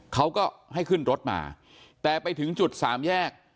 เขาก็ให้ขึ้นรถมาแต่ไปถึงจุดสามแยก